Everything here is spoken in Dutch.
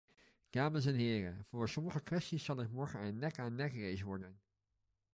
Dames en heren, voor sommige kwesties zal het morgen een nek-aan-nekrace worden.